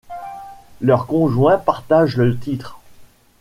Leurs conjoints partagent le titre.